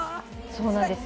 そうなんです